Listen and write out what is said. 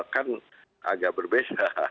kan agak berbeda